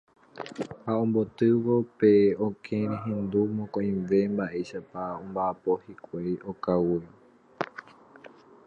Ha ambotývo pe okẽ rohendu mokõive mba'éichapa ombota hikuái okáguio.